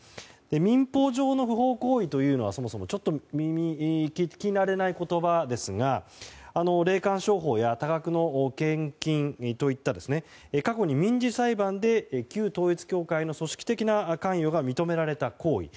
民法上の不法行為というのはそもそも聞き慣れない言葉ですが霊感商法や多額の献金といった過去に民事裁判で旧統一教会の組織的な関与が認められた行為。